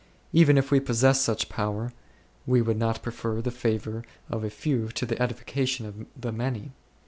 Even if we possessed such power, we would not prefer the favour of the few to the edification of the many.